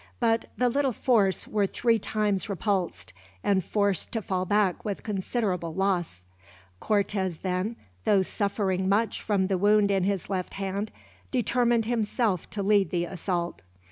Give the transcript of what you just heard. But the little force were three times repulsed, and forced to fall back with considerable loss. Cortez then, though suffering much from the wound in his left hand, determined himself to lead the assault.